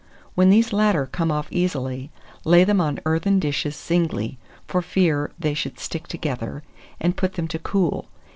When these latter come off easily, lay them on earthen dishes singly, for fear they should stick together, and put them to cool.